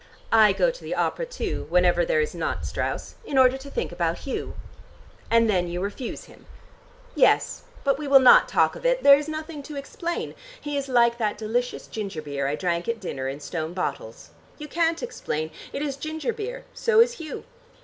I go to the opera too, whenever there is not Strauss, in order to think about Hugh." "And then you refuse him?" "Yes, but we will not talk of it. There is nothing to explain. He is like that delicious ginger beer I drank at dinner in stone bottles. You can't explain! It is ginger beer. So is Hugh."